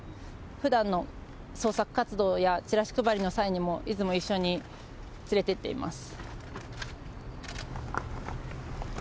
ふだんの捜索活動や、チラシ配りの際にも、いつも一緒に連れて行っています。